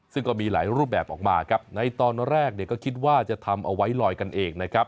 ซึ่งก็มีหลายรูปแบบออกมาในตอนแรกก็คิดว่าจะทำเอาไว้ลอยกันเอง